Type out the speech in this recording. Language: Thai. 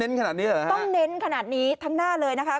ต้องเน้นขนาดนี้ทั้งหน้าเลยนะคะ